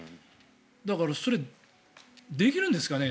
だから、それできるんですかね？